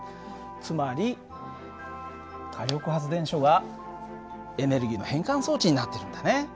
つまり火力発電所がエネルギーの変換装置になってるんだね。